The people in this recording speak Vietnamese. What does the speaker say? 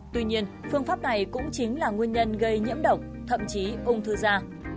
tuy nhiên phương pháp này cũng chính là nguyên nhân gây nhiễm độc thậm chí ung thư da